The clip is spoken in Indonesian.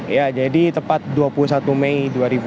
ya jadi tepat dua puluh satu mei dua ribu dua puluh